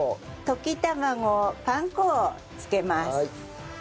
溶き卵パン粉をつけます。